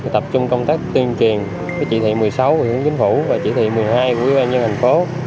tập trung công tác tuyên truyền với chỉ thị một mươi sáu của chính phủ và chỉ thị một mươi hai của yêu an nhân hành phố